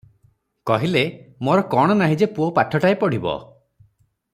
କହିଲେ, "ମୋର କଣ ନାହିଁ ଯେ ପୁଅ ପାଠଟାଏ ପଢ଼ିବ?